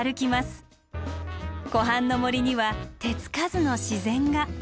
湖畔の森には手付かずの自然が。